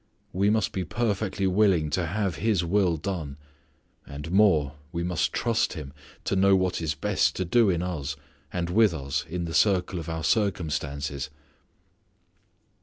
We must be perfectly willing to have His will done; and more, we must trust Him to know what is best to do in us and with us in the circle of our circumstances.